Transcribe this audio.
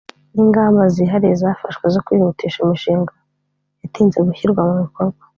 n’ingamba zihariye zafashwe zo kwihutisha imishinga yatinze gushyirwa mu bikorwa